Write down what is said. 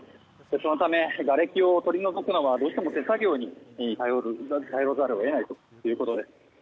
そのため、がれきを取り除くのはどうしても手作業に頼らざるを得ないということです。